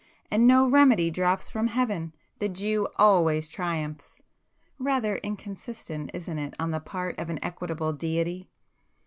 And no remedy drops from heaven! The Jew always triumphs. Rather inconsistent isn't it, on the part of an equitable Deity!"